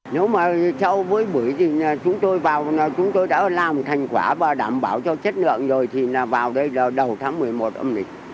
nếu mà chậu với bữa thì chúng tôi vào chúng tôi đã làm thành quả và đảm bảo cho chất lượng rồi thì vào đây là đầu tháng một mươi một âm lịch